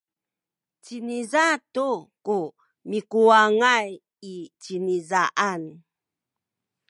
ciniza tu ku mikuwangay i cinizaan.